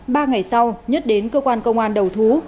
ba ngày sau nhất đến cơ quan công an đầu thú